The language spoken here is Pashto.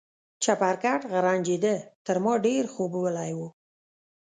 چپرکټ غرنجېده، تر ما ډېر خوبولی و.